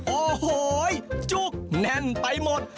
โอ้โหจุกแน่นไปหมด